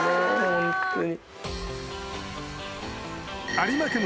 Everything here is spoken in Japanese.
ホントに。